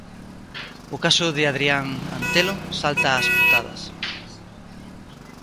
O caso de Hadrián Antelo salta ás portadas.